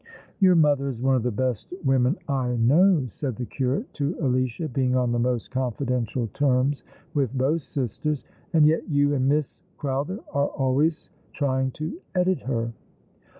" Your mother is one of the best women I know," said the curate to Alicia, being on the most confidential terms vv^ith both sisters, "and yet you and Miss Crowther are always trying to edit her."